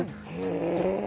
へえ。